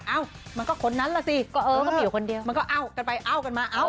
เอ้ามันก็คนนั้นล่ะสิก็เออก็มีอยู่คนเดียวมันก็เอ้ากันไปเอ้ากันมาเอ้า